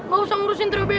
gak usah ngurusin teriobemo